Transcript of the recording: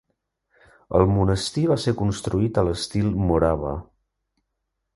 El monestir va ser construït a l'estil Morava.